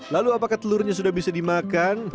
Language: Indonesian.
lalu apakah telurnya sudah bisa dimakan